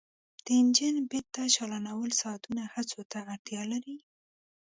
د انجن بیرته چالانول ساعتونو هڅو ته اړتیا لري